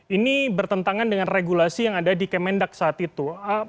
ini bertentangan dengan regulasi yang ada di kemendak saat itu